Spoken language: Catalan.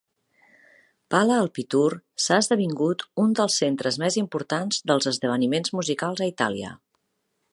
Pala Alpitour s"ha esdevingut uns dels centres més importants dels esdeveniments musicals a Itàlia.